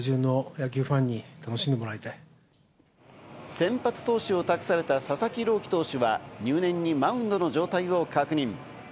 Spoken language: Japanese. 先発投手を託された佐々木朗希投手は、入念にマウンドの状態を確認。